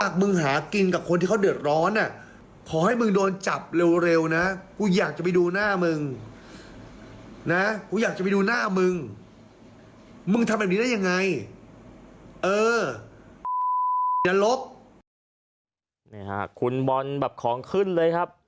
คุณบอลบับของขึ้นเลยครับ